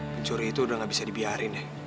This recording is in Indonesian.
pencuri itu udah ga bisa dibiarin deh